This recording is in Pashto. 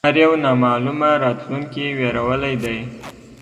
هر یو نامعلومه راتلونکې وېرولی دی